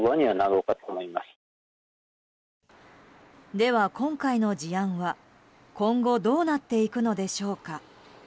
では今回の事案は、今後どうなっていくのでしょうか。